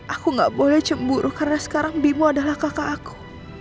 aku gak boleh cemburu karena sekarang bimo adalah kakak aku